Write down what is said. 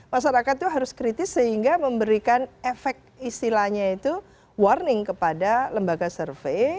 masyarakat itu harus kritis sehingga memberikan efek istilahnya itu warning kepada lembaga survei